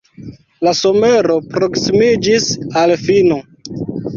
La somero proksimiĝis al fino.